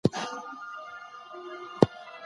زه ښه خواړه خورم.